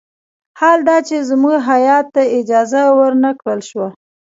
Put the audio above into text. حال دا چې زموږ هیات ته اجازه ور نه کړل شوه.